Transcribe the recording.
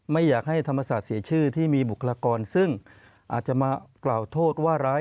ไม่อยากให้ธรรมศาสตร์เสียชื่อที่มีบุคลากรซึ่งอาจจะมากล่าวโทษว่าร้าย